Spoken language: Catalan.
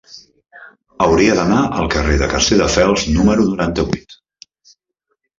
Hauria d'anar al carrer de Castelldefels número noranta-vuit.